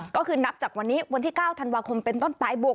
ก็คื้นนับจากวันนี้วันที่๙ธันวาคมเป็นต้นตลปลายโปรก